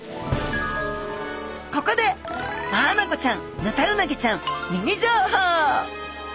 ここでマアナゴちゃんヌタウナギちゃんミニ情報！